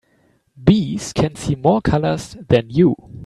Bees can see more colors than you.